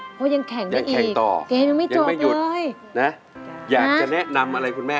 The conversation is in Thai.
เพราะว่ายังแข่งได้อีกเกมยังไม่จบเลยนะอยากจะแนะนำอะไรคุณแม่